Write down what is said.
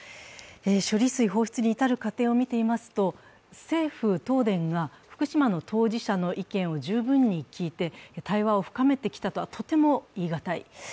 処理水放出に至る過程を見てみますと、政府、東電が福島の当事者の意見を十分に聞いて対話を深めてきたとは、とても言いがたい。